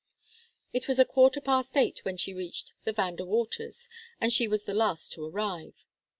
It was a quarter past eight when she reached the Van De Waters', and she was the last to arrive.